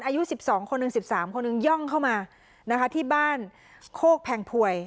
อายุสิบสองคนหนึ่งสิบสามคนหนึ่งย่องเข้ามานะคะที่บ้านโคกแผงถวย